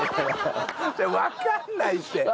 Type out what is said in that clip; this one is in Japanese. わからないって！